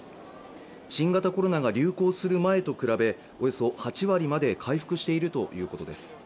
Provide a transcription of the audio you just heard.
新型コロナが流行する前と比べおよそ８割まで回復しているということです